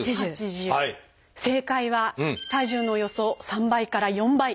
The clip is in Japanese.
正解は体重のおよそ３倍から４倍！